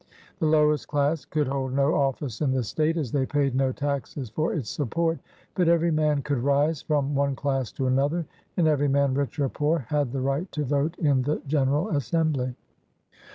The lowest class could hold no office in the state, as they paid no taxes for its support; but every man could rise from one class to another, and every man, rich or poor, had the right to vote in the general assembly.